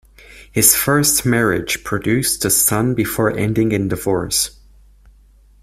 His first marriage produced a son before ending in divorce.